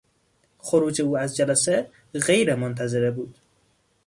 خروج او از جلسه غیرمنتظره بود.